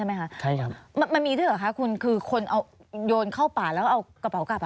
มันมีด้วยหรือคะคุณคือคนโยนเข้าป่าแล้วก็เอากระเป๋ากลับ